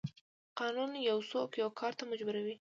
قانون یو څوک یو کار ته مجبوروي.